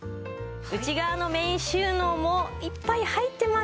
内側のメイン収納もいっぱい入ってます。